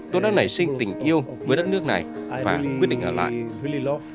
tôi đã nảy sinh tình yêu với đất nước này và quyết định ở lại